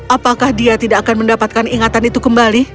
apakah dia tidak akan mendapatkan ingatan itu kembali